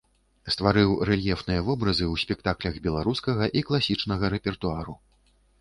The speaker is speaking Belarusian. Стварыў рэльефныя вобразы ў спектаклях беларускага і класічнага рэпертуару.